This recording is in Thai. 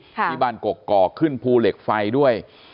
ที่บ้านกกอกขึ้นภูเหล็กไฟด้วย